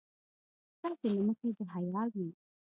ستاسې له مخې د حيا وي.